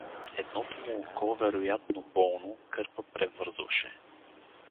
Едното му око, вероятно болно, кърпа превързваше.